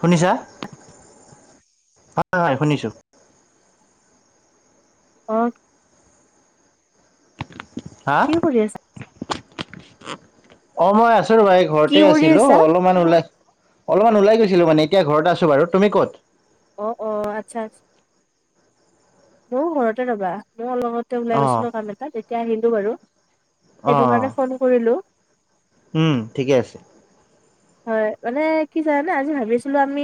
শুনিছা হয় হয় শুনিছোঁ। অ হা কি কৰি আছা? অ মই আছো তোৰ মই কি ঘৰতে কৰি আছিলো আছা? অ অলপমান ওলাই অলপমান ওলাই গৈছিলো মানে এতিয়া ঘৰত আছো বাৰু তুমি ক'ত অ অ আচ্ছা। বৌ ঘৰতে ৰবা। মই লগতে অ ওলাই গৈছিলো কাম এটা তেতিয়া আহিলো বাৰু, অ সেইটো কাৰণে ফোন কৰিলো। উম ঠিকে আছে। হয় মানে কি জানানে আজি ভাবিছিলো আমি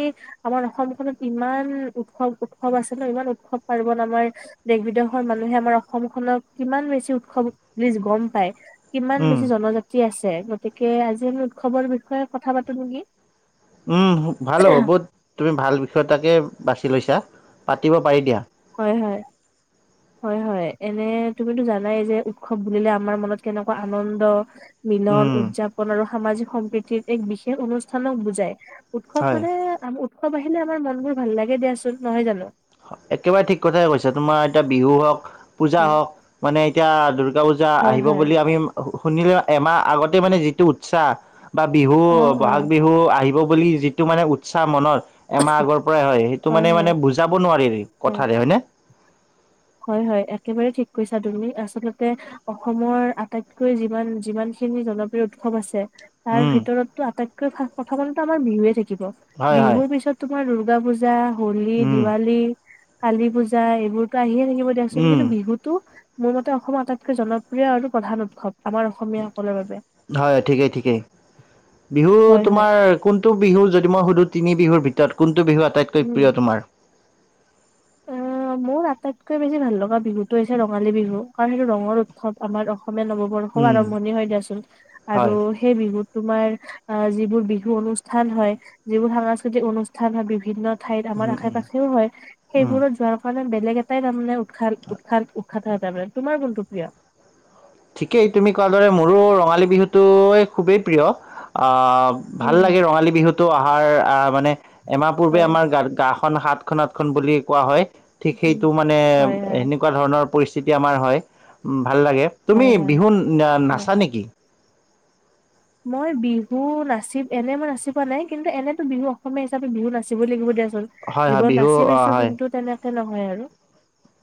আমাৰ অসমখনত ইমান উৎসৱ উৎসৱ আছে ন ইমান উৎসৱ পাৰ্বন আমাৰ দেশ বিদেশৰ মানুহে আমাৰ অসমখনক কিমান বেছি উৎসৱ বুলি গম পায় কিমান উম বেছি জনজাতি আছে। গতিকে আজি উৎসৱৰ বিষয়ে কথা পাতো নেকি কি উম ভাল হ'ব বৌত তুমি ভাল বিষয়টাকে বাছি লৈছা। পাতিব পাৰি দিয়া। হয় হয় হয় হয় এনে তুমিতো জানাই যে উৎসৱ বুলিলে আমাৰ মনত কেনেকুৱা আনন্দ, মিলন উম উদযাপন আৰু সামাজিক সম্প্ৰীতিত এক বিশেষ অনুষ্ঠানক বুজাই উৎসৱ হয় মানে আমাৰ উৎসৱ আহিলে আমাৰ মন বোৰ ভাল লাগে দিয়াচোন নহয় জানো? একেবাৰে ঠিক কথাই কৈছা তোমাৰ এতিয়া বিহু হওঁক পূজা হয় হওঁক মানে এতিয়া দুৰ্গা পূজা হয় আহিব হয় বুলি আমি শুনিলে এমাহ আগতে মানে যিটো উৎসাহ বা বিহু অ অ বহাগ বিহু আহিব বুলি যিটো মানে উৎসাহ মনৰ এমাহ আগৰ পৰাই হয় সেইটো মানে মানে বুজি নোৱাৰি হয় কথাৰে হয়নে হয় হয় একেবাৰেই ঠিক কৈছা তুমি আচলতে অসমৰ আটাইতকৈ যিমান যিমান খিনি জনপ্ৰিয় উৎসৱ আছে তাৰ উম ভিতৰতটো আটাইটকৈ [unintelligible] প্ৰথমতেটো আমাৰ বিহুৱে থাকিব [unintelligible] হয় হয় বিহুৰ পিছত তোমাৰ [unintelligible] দুৰ্গা পূজা হলি উম দিৱালী [unintelligible] কালী পূজা এইবোৰ আহ আহি ম থাকিব দিয়াচোন উম কিন্তু বিহুতো [unintelligible] মোৰ মতে অসমৰ আটাইতকৈ জনপ্ৰিয় আৰু প্ৰধান উৎসৱ আমাৰ অসমীয়াসকলৰ বাবে হয় ঠিকেই ঠিকেই বিহু হয় হয় তোমাৰ কোনটো বিহু যদি মই সুধো তিনি বিহুৰ ভিতৰত কোন বিহু আটাইতকৈ উম প্ৰিয় তোমাৰ অ মোৰ আটাইতকৈ বেছি ভাল লগা বিহুতটো হৈছে ৰঙালী বিহু কাৰণ সেইটো ৰঙৰ উৎসৱ আমাৰ অসম অসমীয়া নৱবৰ্ষও উম আৰম্ভণি হয় দিয়াচোন আৰু হয় সেই বিহুত তোমাৰ আহ যিবোৰ বিহু অনুষ্ঠান হয় যিবোৰ সাংস্কৃতিক অনুষ্ঠান হয় বিভিন্ন ঠাইত আমাৰ উম আশে উম পাশেও হয় উম সেইবোৰত যোৱাৰ বেলেগ এটাই তাৰমানে উৎসাল উৎসাল উৎসাত তাৰানে তোমাৰ কোণটো প্ৰিয় [unintelligible] ঠিকেই তুমি কোৱাৰ দৰে মোৰো ৰঙালী বিহুটোৱে খুবেই প্ৰিয় আহ [unintelligible] ভাল উম, লাগে ৰঙালী বিহুটো অহাৰ মানে এমাহ পূৰ্বে হয়, আমাৰ গা গা খ সাতখন আঠখন ব বুলি কোৱা হয় ঠিক সেইটো মানে হয়, হয়, সেনেকুৱা ধৰণৰ পৰিস্থিতি আমাৰ হয় উ ভাল লাগে তুমি হয়, হয়, বিহু ন হয়। নাচা নেকি? মই বিহু নাচি এনেই মই নাচি পোৱা নাই কিন্তু এনেতো বিহু অসমীয়া হিচাপে বিহু নাচিবই লাগিব দিয়া হয় হয় জীৱন বিহু নাচি অ পাইছো হয় কিন্তু তেনে নহয় আৰু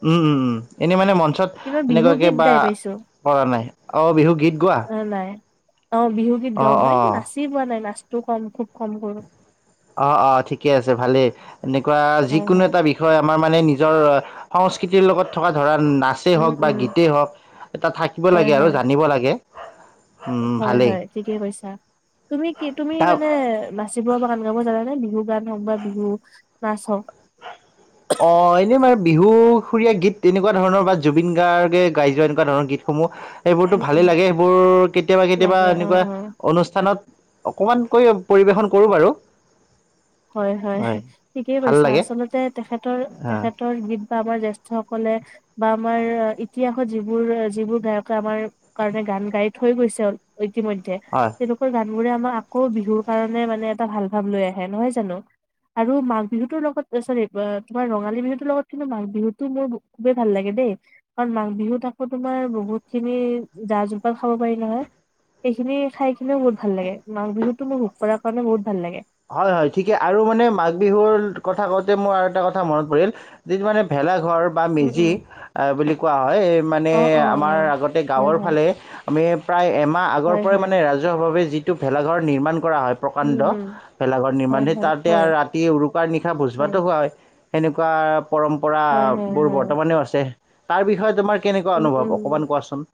উম উম উম এনেই মানে মন [unintelligible] ত কিন্তু মই বিহু এনেকুৱাকে গীত বা গাই পাইছো কৰা নাই অ বিহু গীত গোৱা অ' নাই। অ বিহু গীত অ গাও মই, অ নাচি পোৱা নাই নাচ [unintelligible] টো কম খুব কম কৰো অ অ ঠিকে আছে ভালেই এনেকুৱা হয় যিকোনো হয়। এটা বিষয় আমাৰ মানে নি নিজৰ সংস্কৃতিৰ লগত থকা ধৰা নাচেই উম হওক বা উম গীতেই হওক এটা থাকিব হয় লাগে আৰু হয় জানিব লাগে উম, হয় ভালেই। হয় ঠিকে কৈছা তুমি কি তুমি তাক মানে নাছিব পৰা। জানে নে বিহু গান হওক বা বিহু নাচ হওঁক। অ এনেই মানে বিহুসুৰীয়া গীত তেনেকুৱা ধৰণৰ বা জুবিন গাৰ্গে গাই যোৱা এনেকুৱা ধৰণৰ গীতসমূহ [unintelligible] সেইবোৰতো উম উম ভালেই লাগে সেইবোৰ কেতিয়াবা কেতিয়াবা লাগে অ' এনেকুৱা অ'। অনুষ্ঠানত অকণমানকৈ পৰিৱেশন কৰোঁ বাৰু হয় হয় ঠিকেই ভাল কৈছা লাগে আচলতে তেখেত অ', তেখেতৰ বি বা আমাৰ জ্যেষ্ঠ সকলে বা আমাৰ ইতিহাসত যিবোৰ যিবোৰ গায়কে আমাৰ কাৰণে গান গাই থৈ গৈছে ইতিমধ্যে হয়। তেওঁলোকৰ গান বোৰে আমাৰ আকৌ বিহুৰ কাৰণে মানে এটা ভাল ভাব লৈ আহে নহয় জানো, আৰু মাঘ বিহুতৰ লগত চৰি তোমাৰ ৰঙালী বিহুতৰ লগত কিন্তু মাঘ বিহুতো মোৰ খুবেই ভাল লাগে দেই, কাৰণ মাঘ বিহুত আকৌ তোমাৰ বহুত খিনি জা জলপান খাব পাৰি নহয় সেইখিনি খাই কিনিও বহুত ভাল লাগে মাঘ বিহুতো মোৰ ভোগ কৰাৰ কাৰণে বহুত [unintelligible] ভাল লাগে। হয় হয় ঠিকে আৰু মানে মাঘ বিহুৰ কথা কওঁতে মোৰ আৰু এটা কথা মনত পৰিল যি মানে ভেলা বা উম মেজি উম বুলি কোৱা হয় মানে অ অ আমাৰ আগতে হয় গাঁৱৰ হয় ফালে [unintelligible] আমি প্ৰায় এম ম আগৰ হয় পৰাই হয় মানে ৰাজহুৱভাৱে যি ভেলাঘৰ নিৰ্মাণ কৰা হয় উম প্ৰকাণ্ড হম ভেলাঘৰ হয় নিৰ্মাণ হে হয় তাতে হয় আৰু ৰাতি উৰুকাৰ নিশা ভোজ ভাতো খোৱা হয়। [unintelligible] এনেকুৱা হয় হয় পৰম্পৰাবোৰ হয় বৰ্তমানেও আছে। তাৰ বিষয়ে তোমাৰ। কেনেকুৱা উম অনুভৱ অকণমান কোৱাচোন।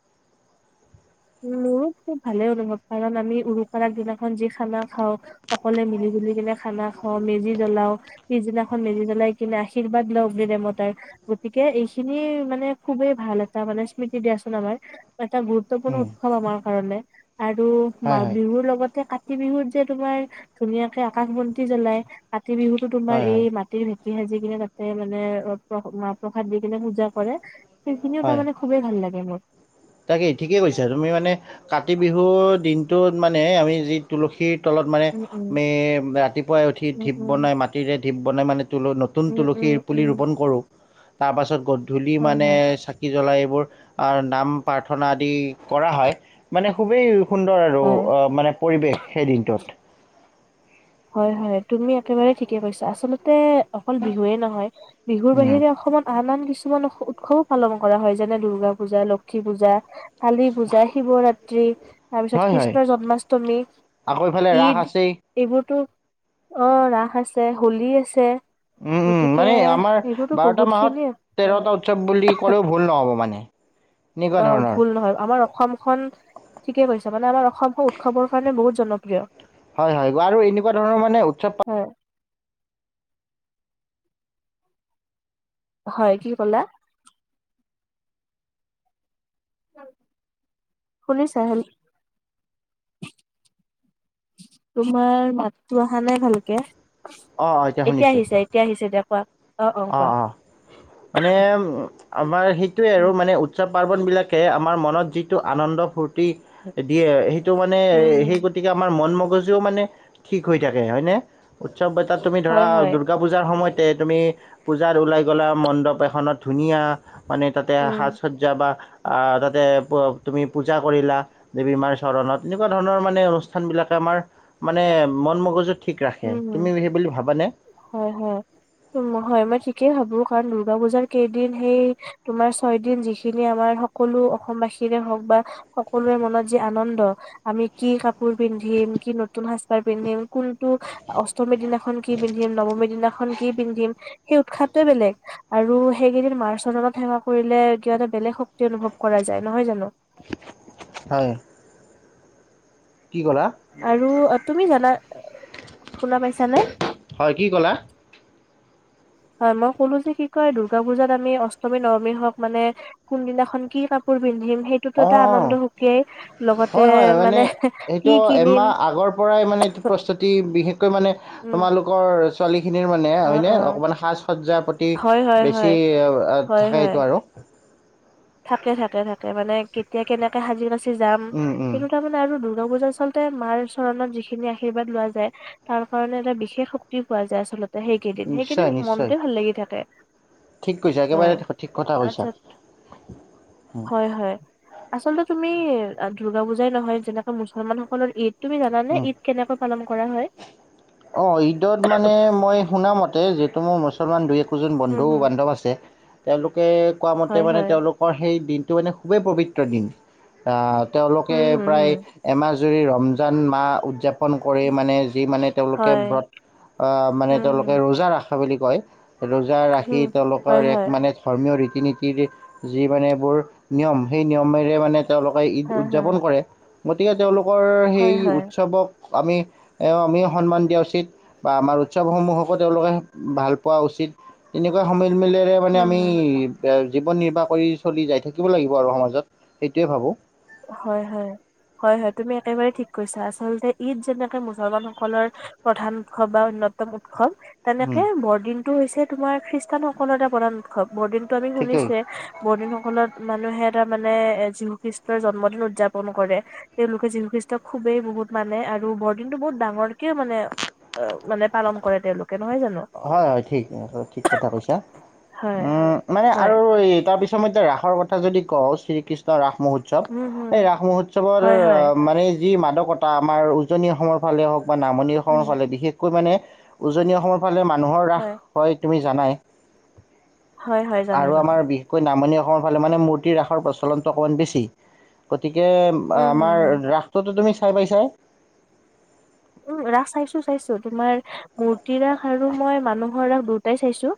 উ মোৰো খুব ভালেই অনুভৱ কাৰণ আমি উৰুকাৰ দিনাখন যি খানা খাওঁ সকলোৱে মিলি জুলি কিনে খানা খাওঁ মেজি জ্বলাও পিছদিনাখন মেজি জ্বলাই কিনে আশীৰ্বাদ লওক ব দেমতাৰ গতিকে এইখিনি মানে খুবেই ভাল এটা মানে স্মৃতি দিয়াচোন আমাৰ এটা গুৰুত্বপূৰ্ণ। [unintelligible] গুৰুত্বপূৰ্ণ উম, উৎসৱ আমাৰ কাৰণে। আৰু হয় মাঘ হয় বিহুৰ লগতে কা কাতি বিহুত যে তোমাৰ ধুনীয়াকে আকাশ বন্তি জ্বলাই। কাতি বিহুতো হয় তোমাৰ হয় এই মাটিৰ ভিতৰত। মাটি সাজি কিনে তাতে মানে মাহ প্ৰসাদ দি কিনে পূজা কৰে। সেইখিনিও তাৰমানে খুবেই ভাল লাগে মোৰ। তাকে ঠিকেই কৈছা, তুমি মানে কাতি বিহুৰ দিনটোত মানে আমি যি তুলসীৰ। তলত মানে আ উম উম ৰাতিপুৱাই উঠি উম ঢিপ উম বনাই মাটিৰে ঢিপ। বনাই মানে। নতুন উম, তুলসী উম, পোলী উম, ৰুপন কৰো। তা পাছত গধূলি হয়, মানে হয়, চাকি জলাই বোৰ আৰ নাম। প্ৰাৰ্থনা আদি কৰা হয় মানে খুবেই। সুন্দৰ আৰু হয়, মানে পৰিৱেশ সেই দিনটোত। হয় হয় তুমি একেবাৰে ঠিকে কৈছা আচলতে। অকল বিহুৱে নহয় বিহুৰ উম, বাহিৰে অসমত আন আন কিছু কিছুমান উৎসৱো পালন কৰা হয় যেনে দূৰ্গা পূজা লক্ষী পূজা। কালি পূজা, শিৱৰাত্ৰি তাৰ পিছত হয় হয় কৃষ্ণৰ জন্মাষ্টমী, আকৌ ইফালে ৰাস ঈদ আছেই এইবোৰ। ত অ ৰাস আছে হোলী আছে। উম উম গতিকে মানে আমাৰ এইবোৰতো বাৰটা বহুত মাহত খিনি তেৰটা উৎসৱ বুলি ক'লেও ভুল নহ'ব মানে। এনেকুৱা অ ধৰণৰ ভুল নহয় আমাৰ অসমখন ঠিকে কৈছে মানে আমাৰ অসমখন উৎসৱৰ কাৰণে বহুত। জনপ্ৰিয়। হয় হয় আৰু এনেকুৱা ধৰণৰ মানে উৎসৱ পা হয়, হয় কি কলা? শুনিছা হল, তোমাৰ মাতটো অহা নাই ভালকে। অ' অ' এতিয়া শুনিছোঁ আহিছে এতিয়া আহিছে দিয়া কোৱা। অ অ মানে। আমাৰ সেই। এইটোৱে আৰু উম মানে উৎসৱ। পাৰ্বণবিলাকে আমাৰ মনত যিটো আনন্দ ফূৰ্তি দিয়ে। টো মানে উম হুম সেই গতিকে আমাৰ মন ম জও মানে ঠিক হৈ থাকে হয়নে? চব এ তাত তুমি ধৰা হয় হয় দুৰ্গা পূজাৰ সময়ত তুমি, পূজাত ওলাই গ'লা মণ্ডপ এখনত ধুনীয়া মানে তাতে উম সাজ সজ্জা বা আ তাতে তুমি পূজা কৰিলা দেৱী মাৰ চৰণত এনেকোৱা ধৰণৰ মানে অনুষ্ঠানবিলাকে আমাৰ মানে মন মগজুত উম হ হয় হয় হয় মই ঠিক তিকে ভাবো কাৰণ দূৰ্গা পুজাৰ কেইদিন সেই তোমাৰ ছয় দিন যিখিনি আমাৰ সকলো অসমবাসীৰে হওঁক বা সকলোৰে মনত যি আনন্দ আমি কি কাপোৰ পিন্ধিম কি নতুন সাজপাৰ পিন্ধিম টো অষ্টমীৰ দিনা খন কি পিন্ধিম নৱমীৰ দিনা খন কি পিন্ধিম সেই উৎসাহটোৱে বেলেগ আৰু সেইকেইদিন মাৰ চৰণত সেৱা কৰিলে কিয় এটা বেলেগ শক্তি অনুভৱ কৰা যায় নহয় জানো। হয়। কি ক'লা আৰু তুমি জানা, শুনা পাইছানে? হয় কি ক'লা হয় মই ক'লো যে কি কয় দূৰ্গা পুজাত আমি অষ্টমী নৱমী হওক মানে কোনদিনাখন কি কাপোৰ পিন্ধিম সেইটোতো অ এটা আনন্দ অ সুকীয়াই লগতে হয় হয় মানে কি সেইটো কিনিম এমাহ আগৰ পৰাই মানে প্ৰস্তুতি বিশেষকৈ মানে উম তোমালোকৰ খিনিৰ মানে অ হয় অ নে সাঁজ সজ্জা হয় হয় বেছি হয় হয় থাকে হয় এইটো আৰু। থাকে থাকে থাকে মানে কেতিয়া কেনেকে হাজিৰা, যাম উম, উম, কিন্তু তাৰমানে আৰু গপূজা আচলতে মাৰ চৰণত যিখিনি আশীৰ্বাদ লোৱা যায় তাৰ কাৰণে এটা বিশেষ শক্তি পোৱা যায় আচলতে সেইকেইদিন সেইকেইদিন নিশ্চয় নিশ্চয় মনটোয়ে ভাল লাগি থাকে ঠিক কৈছা একেবাৰে হয় ঠিক কথা কৈছা আচ্ছা। উম, হয় হয় আচলতে তুমি দুৰ্গা পূজাই নহয় যেনেকে মুছলমান সকলৰ ঈদ তুমি জানানে ঈদ কেনেকৈ পালন কৰা হয়। অ ঈদত মানে মই শুনামতে যে ত মোৰ মুছলমান দুই জন হুম বন্ধু হুম বান্ধৱ আছে। তেওঁলোক কে কোৱা মতে হয় মানে হয় তেওঁলোকৰ সেই দিন এইটো মানে খুবেই পবিত্ৰ দিন। তেওঁলোকে হুম হুম হুম প্ৰায় এমাহ জৰি ৰমজান মাহ উদযাপ ণ কৰি মানে যি মানে তেওঁলোক একে হয় ব্ৰত মানে হুম হুম তেওঁলোকে ৰোজা ৰাস সেই বুলি কয় ৰোজা ৰাখি হুম তেওঁলোকৰ হয় এক হয় মানে ধৰ্মীয় ৰীত ৰীতি নীতিৰ যি মানে এইবোৰ নিয়ম সেই নিয়মেৰে মানে। তেওঁলোকে ঈদ হয় হয় উদযাপন কৰে। গতিকে তেওঁলোক? তেওঁ লোকৰ হয় সেই হয় উৎসৱক। আমি আমি সন্মান। দিয়া উচিত বা আমাৰ উৎসৱসমূহকো তেওঁলোকে ভাল পোৱা উচিত তেনেকুৱা সময়ত। মিলেৰে মানে হুম আমি। হুম জীৱন নিৰ্বাহ কৰি চলি যাই থাকিব লাগিব আৰু সমাজত সেইটোৱে ভাবোঁ? হয় হয় হয় হয় তুমি একেবাৰেই ঠিক কৈছা আচলতে ঈদ যেনেকে মুছলমান সকলৰ প্ৰধান উৎসৱ বা অন্যতম উৎসৱ। উম, তেনেকে বৰদিনটো হৈছে তোমাৰ। খ্ৰীষ্টানসকলৰ এটা প্ৰধান উৎসৱ। বৰদিন টো আমি ঠিকেই শুনিছে বৰদিনসকলত মানুহে। এটা মানে এ যিৰীষ্ট। জন্মদিন উদযাপন কৰে তেওঁলোকে যীশু খ্ৰীষ্টক খুবেই বহুত মানে আৰু বৰদিনতটো বহুত ডাঙৰকেও মানে মানে পালন কৰে তেওঁলোকে? নহয় জানো হয় হয় ঠিক ঠিক কথা কৈছা হয় উ মানে হয় আৰু তাৰপিছত। ৰাসৰ কথা যদি কওঁ শ্ৰীকৃষ্ণ ৰাস। মহোৎসৱ উম হম এই ৰাস মহোৎসৱৰ হয় অ হয় মানে। যি মানকতা আমাৰ উজনি অসমৰ ফালে হওক। নামনিৰখনৰ উম ফালে বিশেষকৈ মানে। উজনি অসমত। মানুহৰ ৰাস হয় তুমি। জানায়। হয় হয় জানো আৰু জানো আমাৰ বিশেষকৈ নামনি। আমাৰ ফালে মানে মূৰ্তি ৰাসৰ প্ৰচলনটো অকণমান বেছি। গতিকে উম হম আমাৰ হম ৰাস তুমি। চাই পাইছে। উম, ৰাস চাইছো চাইছো তোমাৰ মূৰ্তি ৰাস আৰু মই মানুহৰ ৰাস দুয়োটাই চাইছো?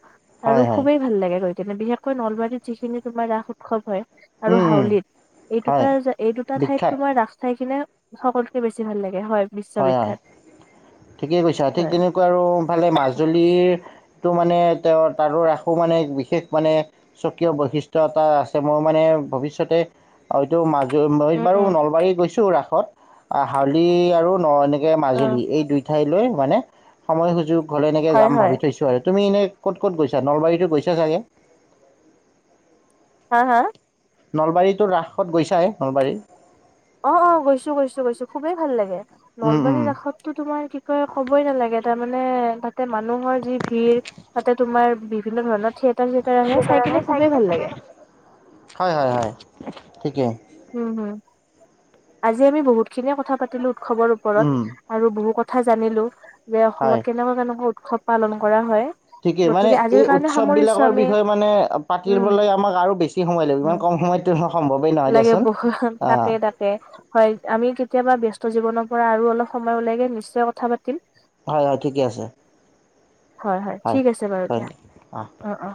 হয় আৰু হয় খুবেই ভাল লাগে গৈ। তেনে বিশেষকৈ নলবাৰীত যিখিনি তোমাৰ ৰাস উৎসৱ হয়। আৰু উম উম হাউলিত এই হয় দুটা এই দুটা ঠাইত বিখ্যাত তোমাৰ ৰাস চাই কিনে। সকলোকে বেছি ভাল লাগে। হয় বিশ্ববিখ্যাত? ঠিকেই কৈছা ঠিক হয় তেনেকুৱা আৰুফালে মাজুলীৰ। মানে তেওঁ তাৰো ৰাসো মানে বিশেষ মানে স্বকীয় বৈশিষ্ট্য় এটা আছে মই মানে ভৱিষ্যতে হয়টো মা। মই উম বাৰু উম নলবাৰী গৈছো ৰাসত। আ হাউলি আৰু ন এনেক [unintelligible] কে অ মাজুলী এই দুই- উঠাই লৈ মানে সময় সুযোগ গ'লে একে হয় যাম হয় ভাবি থৈছো আৰু তুমি এনে ক'ত ক'ত গৈছা নলবাৰীতো গৈছা চাগে হা হা নলবাৰীটো ৰাসত গৈছাই নলবাৰীত। অ অ গৈছো গৈছো গৈছো খুবেই ভাল লাগে উম উম, নলবাৰীৰ কাষততো তোমাৰ কি কয় ক'বই নালাগে তাৰ মানে তাতে মানুহৰ যি ভিৰ তাতে তোমাৰ বিভিন্ন ধৰণৰ থিয়েটাৰ চিয়েটাৰ আহে চাই কিনে খুবেই ভাল লাগে। হয় হয় হয় থিকে হোম হুম আজি আমি বহুত খিনিয়ে কথা পাতিলো উৎসৱৰ উম ওপৰত আৰু বহু কথ কথা জানিলো। যে অসমত হয় কেনেকুৱা কেনেকুৱা উত উৎসৱ পালন কৰা হয়। টিকেই মানে গতিকে আজিৰ এই কাৰণে উৎসৱ সামৰিছো বিলাকৰ আমি বিষয়ে মানে উম পাতিবলৈ আমাক আৰু বেছি সময় লাগিব ইমান উম কম সময়ত নহ- লাগে বহুখন তাকে তাকে হয় আমি কেতিয়াবা ব্যস্ত- জীৱনৰ পৰা আৰু অলপ সময় ওলাইগে নিশ্চয় কথা পাতিম। হয় হয় ঠিকে আছে। হয় হয় ঠিক আছে বাৰু দিয়া অ অ